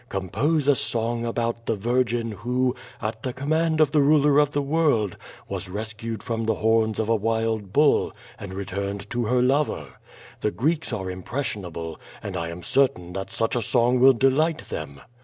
Compose a|song about tlie Virgin who, at the conmiand of the ruler df the world, was rescued from tho liorns of a wild bull, andWturned to her lover. The Greeks are impressionable, and I aib pertain that such a song will de light them."